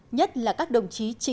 nhất là các đồng chí